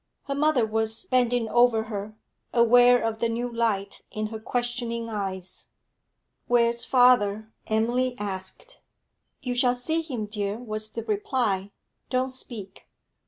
Her mother was bending over her, aware of the new light in her questioning eyes. 'Where's father?' Emily asked. 'You shall see him, dear,' was the reply. 'Don't speak.'